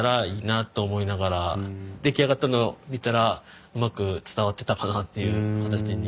出来上がったのを見たらうまく伝わってたかなっていう形に。